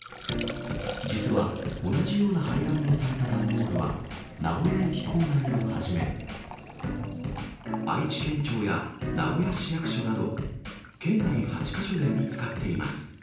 実は、同じような貼り紙をされた段ボールは名古屋駅構内をはじめ、愛知県庁や名古屋市役所など、県内８か所で見つかっています。